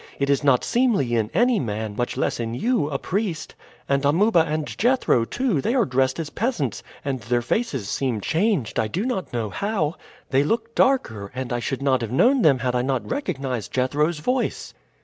It is not seemly in any man, much less in you, a priest. And Amuba and Jethro, too; they are dressed as peasants, and their faces seem changed, I do not know how. They look darker, and I should not have known them had I not recognized Jethro's voice."